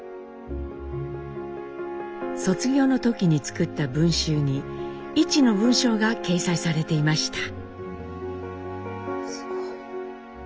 卒業の時に作った文集に一の文章が掲載されていました。